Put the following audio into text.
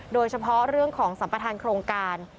โดยเฉพาะเรื่องของสัมประธานโครงการ